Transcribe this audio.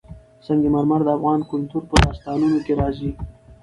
سنگ مرمر د افغان کلتور په داستانونو کې راځي.